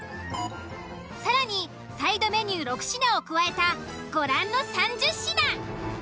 更にサイドメニュー６品を加えたご覧の３０品。